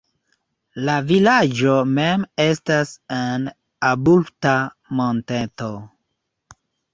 La vilaĝo mem estas en abrupta monteto.